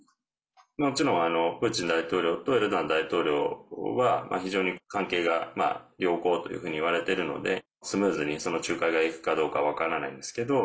もちろん、プーチン大統領とエルドアン大統領は非常に関係が良好というふうにいわれているのでスムーズにその仲介がいくかどうか分からないんですけど。